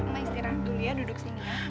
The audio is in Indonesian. mah istirahat dulu ya duduk sini ya